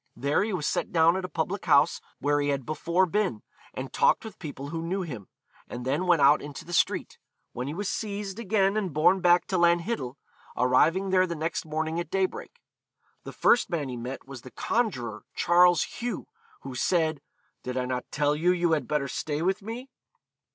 There he was set down at a public house where he had before been, and talked with people who knew him. He then went out into the street, when he was seized again and borne back to Lanhiddel, arriving there the next morning at daybreak. The first man he met was the conjuror Charles Hugh, who said, 'Did I not tell you you had better stay with me?'